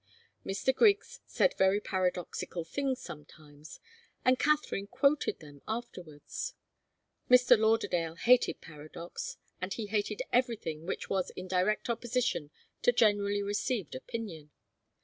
Mr. Griggs said very paradoxical things sometimes, and Katharine quoted them afterwards. Mr. Lauderdale hated paradox as he hated everything which was in direct opposition to generally received opinion.